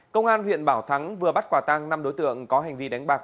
công an huyện bảo thắng vừa bắt quả tăng năm đối tượng có hành vi đánh bạc